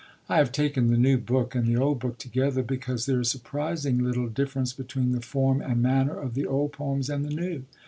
I have taken the new book and the old book together, because there is surprisingly little difference between the form and manner of the old poems and the new.